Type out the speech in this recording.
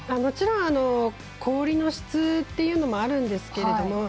もちろん氷の質というのもあるんですけど